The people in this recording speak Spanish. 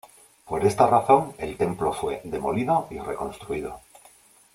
Por esta razón el templo fue demolido y reconstruido.